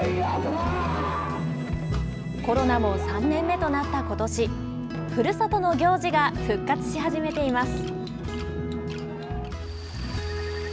コロナも３年目となったことし、ふるさとの行事が復活し始めています。